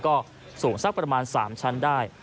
ก็สูงสักประมาณ๓ชั้นได้